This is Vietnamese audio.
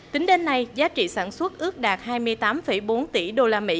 tính đến nay giá trị sản xuất ước đạt hai mươi tám bốn tỷ usd